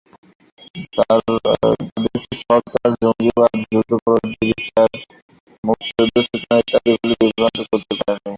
তাদেরকে সরকার জঙ্গিবাদ, যুদ্ধাপরাধীদের বিচার, মুক্তিযুদ্ধের চেতনা ইত্যাদি বলে বিভ্রান্ত করতে পারেনি।